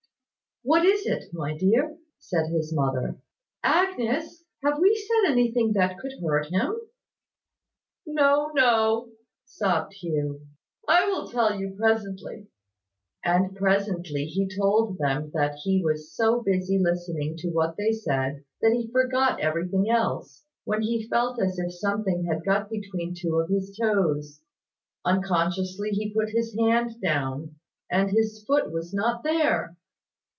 "What is it, my dear?" said his mother. "Agnes, have we said anything that could hurt him?" "No, no," sobbed Hugh. "I will tell you presently." And presently he told them that he was so busy listening to what they said, that he forgot everything else, when he felt as if something had got between two of his toes; unconsciously he put his hand down; and his foot was not there!